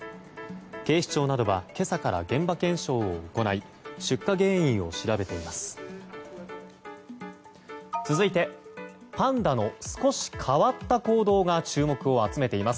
警視庁などは今朝から現場検証を行い出火原因を調べています。